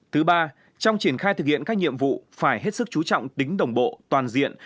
thứ ba trong triển khai thực hiện các nhiệm vụ phải hết sức chú trọng tính đồng bộ toàn diện